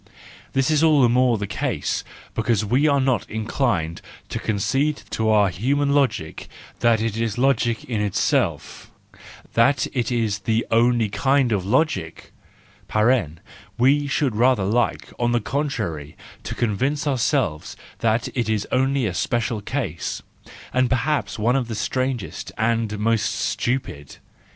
This is all the more the case because we are not inclined to concede to our human logic that it is logic in itself, that it is the only kind of logic (we should rather like, on the contrary, to convince ourselves that it is only a special case, and perhaps one of the strangest and most stupid).